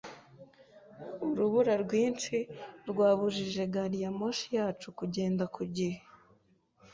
Urubura rwinshi rwabujije gari ya moshi yacu kugenda ku gihe.